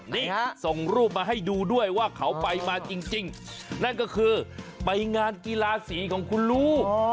นี่ส่งรูปมาให้ดูด้วยว่าเขาไปมาจริงนั่นก็คือไปงานกีฬาสีของคุณลูก